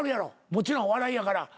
もちろん笑いやから。